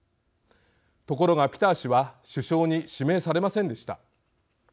ところが、ピター氏は首相に指名されませんでした。